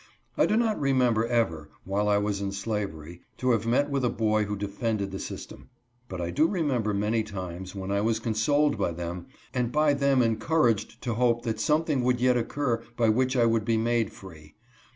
I do not remem ber ever while I was in slavery, to have met with a boy who defended the system, but I do remember many times, when I was consoled by them, and by them encouraged to hope that something would yet occur by which I would be made free.